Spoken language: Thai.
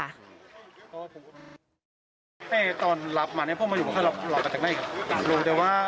ตอนหลับมาเนี่ยพวกมายุงเขาหลับมาจากไหน